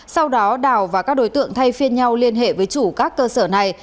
sau đó đào và các đối tượng thay phiên nhau liên hệ với chủ các cơ sở này